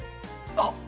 あっ。